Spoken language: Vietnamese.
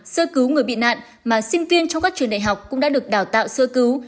sơ cứu người bị nạn mà sinh viên trong các trường đại học cũng đã được đào tạo sơ cứu